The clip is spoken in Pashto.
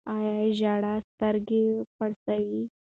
آیا ژړا سترګې پړسوي؟